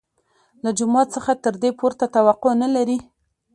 له جومات څخه تر دې پورته توقع نه لري.